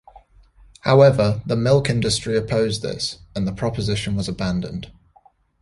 However the milk industry opposed this, and the proposition was abandoned.